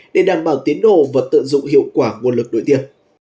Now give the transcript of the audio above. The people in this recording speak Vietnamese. để đảm bảo tiến đổ và tận dụng hiệu quả nguồn lực đối tiên